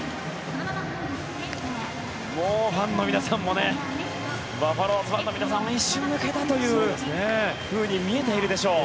もう、ファンの皆さんもバファローズファンの皆さんも一瞬、抜けたというふうに見えているでしょう。